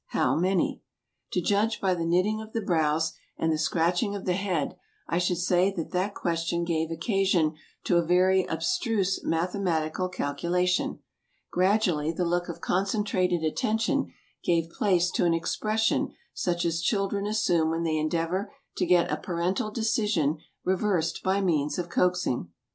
How many ?" To judge by the knitting of the brows and the scratch ing of the head, I should say that that question gave occa sion to a very abstruse mathematical calculation. Gradually the look of concentrated attention gave place to an expres sion such as children assume when they endeavor to get a parental decision reversed by means of coaxing.